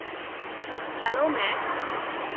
Hello, max.